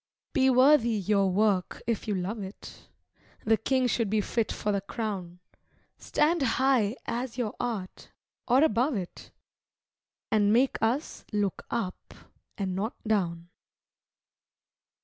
Be worthy your work if you love it; The king should be fit for the crown; Stand high as your art, or above it, And make us look up and not down.